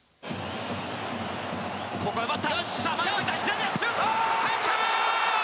ここは上がった！